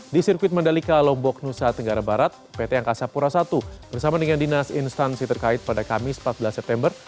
di sirkuit mandalika lombok nusa tenggara barat pt angkasa pura i bersama dengan dinas instansi terkait pada kamis empat belas september